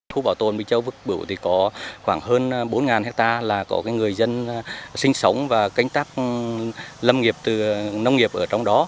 khu bảo tồn bình châu vực bửu có khoảng hơn bốn hectare là có người dân sinh sống và cánh tác lâm nghiệp từ nông nghiệp ở trong đó